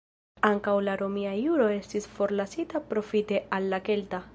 Ankaŭ la romia juro estis forlasita profite al la kelta.